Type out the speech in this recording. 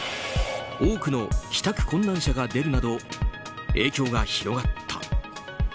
多くの帰宅困難者が出るなど影響が広がった。